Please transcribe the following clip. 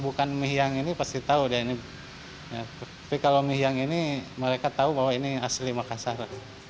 bukan miyang ini pasti tahu dan ini tapi kalau miyang ini mereka tahu bahwa ini asli makassar